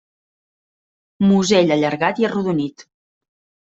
Musell allargat i arrodonit.